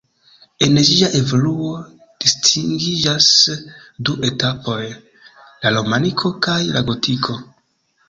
En ĝia evoluo distingiĝas du etapoj: la romaniko kaj la gotiko.